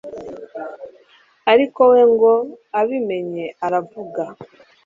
ariko we ngo abimenye aravuga